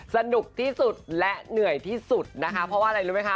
สนุกที่สุดและเหนื่อยที่สุดนะคะเพราะว่าอะไรรู้ไหมคะ